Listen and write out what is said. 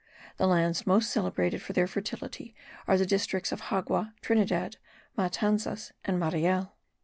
The lands most celebrated for their fertility are the districts of Xagua, Trinidad, Matanzas and Mariel.